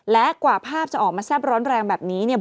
และกว่าภาพจะออกมาแซ่บร้อนแรงแบบนี้เนี่ย